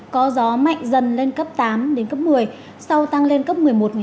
có gió mạnh dần lên cấp tám đến cấp một mươi sau tăng lên cấp một mươi một một mươi